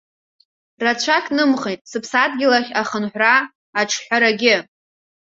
Рацәак нымхеит сыԥсадгьыл ахь ахынҳәра аҿҳәарагьы.